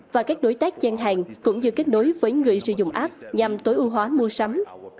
và các đối tác gian hàng cũng như kết nối với người sử dụng app nhằm tối ưu hóa mua sắm